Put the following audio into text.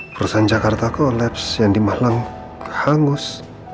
perusahaan jakarta kolaps yang di malang hangus